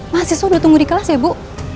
mas kamu udah tunggu di kelas ya bu